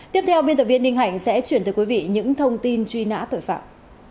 tiếp theo biên tập viên ninh hạnh sẽ chuyển tới quý vị những thông tin truy nã tội phạm